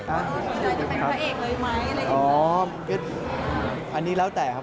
ง่ายนะครับครับครับอ๋ออันนี้แล้วแต่ครับ